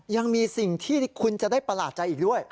ยังมีสิ่งที่คุณจะได้ประหลาดใจอีกด้วย